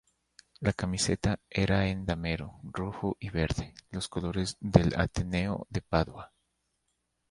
La camiseta era en damero, rojo y verde, los colores del Ateneo de Padua.